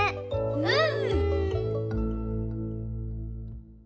うん。